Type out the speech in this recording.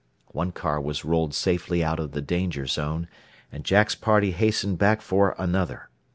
One car was rolled safely out of the danger zone, and Jack's party hastened back for another.